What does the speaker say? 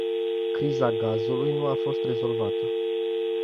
Criza gazului nu a fost rezolvată.